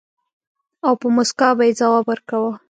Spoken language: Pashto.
او په مُسکا به يې ځواب ورکاوه.